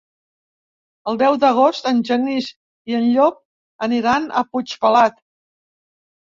El deu d'agost en Genís i en Llop aniran a Puigpelat.